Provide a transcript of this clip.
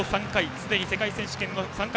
すでに世界選手権の参加